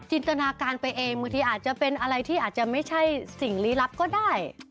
ตนาการไปเองบางทีอาจจะเป็นอะไรที่อาจจะไม่ใช่สิ่งลี้ลับก็ได้